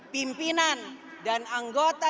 pimpinan dan anggota